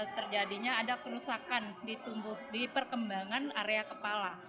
terjadinya ada kerusakan di perkembangan area kepala